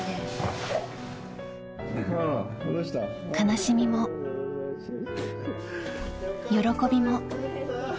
悲しみも、喜びも。